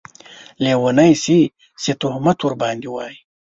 لیونۍ شې چې تهمت ورباندې واېې